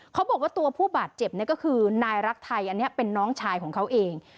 เขาบอกว่าตัวผู้บาดเจ็บก็คือนายรักไทยอันนี้เป็นน้องชายของเขาเอง